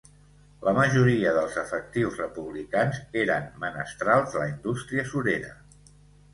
La majoria dels efectius republicans eren menestrals de la indústria surera.